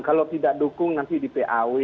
kalau tidak dukung nanti di paw